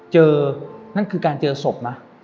เจอนั่นคือการเจอศพมั้ย